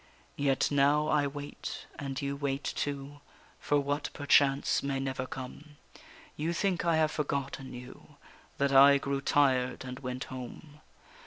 Yet now I wait, and you wait too, For what perchance may never come; You think I have forgotten you, That I grew tired and went home.